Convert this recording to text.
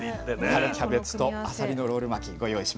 春キャベツとあさりのロール巻きご用意しました。